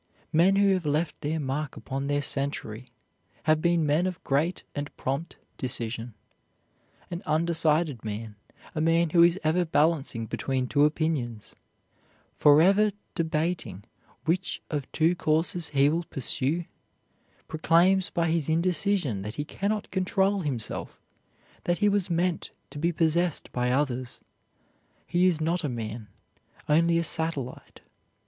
Men who have left their mark upon their century have been men of great and prompt decision. An undecided man, a man who is ever balancing between two opinions, forever debating which of two courses he will pursue, proclaims by his indecision that he can not control himself, that he was meant to be possessed by others; he is not a man, only a satellite.